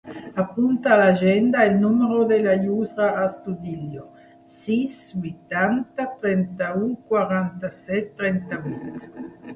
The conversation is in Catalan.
Apunta a l'agenda el número de la Yousra Astudillo: sis, vuitanta, trenta-u, quaranta-set, trenta-vuit.